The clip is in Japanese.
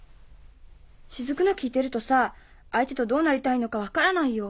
雫の聞いてるとさ相手とどうなりたいのか分からないよ。